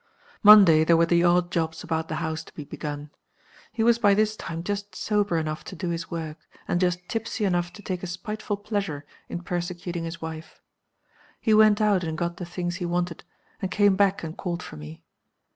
"Monday, there were the odd jobs about the house to be begun. He was by this time just sober enough to do his work, and just tipsy enough to take a spiteful pleasure in persecuting his wife. He went out and got the things he wanted, and came back and called for me.